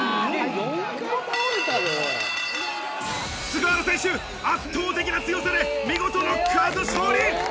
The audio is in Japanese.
菅原選手、圧倒的な強さで見事ノックアウト勝利！